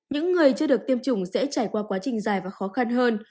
những người chưa được tiêm chủng sẽ trải qua quá trình dài và khó khăn hơn